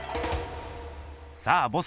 さあボス